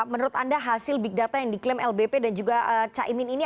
menurut anda hasil big data yang diklaim lbp dan juga caimin ini